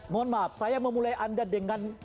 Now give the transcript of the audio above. mohon maaf saya memulai anda dengan